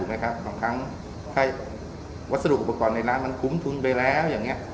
บางครั้งวัสดุอุปกรณ์ในร้านมันคุ้มทุนไปแล้ว